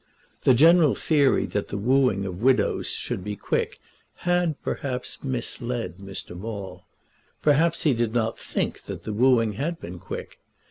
The general theory that the wooing of widows should be quick had, perhaps, misled Mr. Maule. Perhaps he did not think that the wooing had been quick.